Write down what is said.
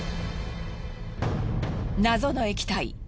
謎の液体